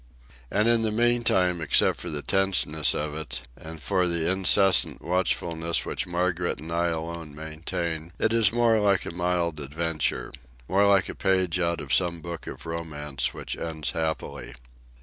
And in the meantime, except for the tenseness of it, and for the incessant watchfulness which Margaret and I alone maintain, it is more like a mild adventure, more like a page out of some book of romance which ends happily.